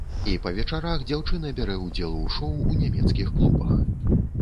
І па вечарах дзяўчына бярэ ўдзел у шоў у нямецкіх клубах.